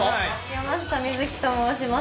山下美月と申します。